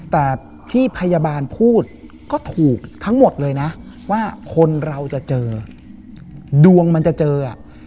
แต่ที่พยาบาลพูดก็ถูกทั้งหมดเลยนะว่าคนเราจะเจอดวงมันจะเจออ่ะ